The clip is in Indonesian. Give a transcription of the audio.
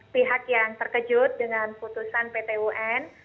pihak yang terkejut dengan putusan pt un